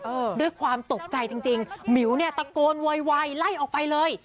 ด้วยความตกใจจริงจริงหมิวเนี่ยตะโกนโวยวายไล่ออกไปเลย